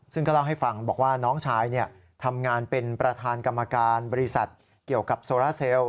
ซึ่งก็เล่าให้ฟังบอกว่าน้องชายทำงานเป็นประธานกรรมการบริษัทเกี่ยวกับโซราเซล